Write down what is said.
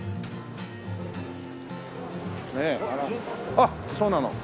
あっそうなの。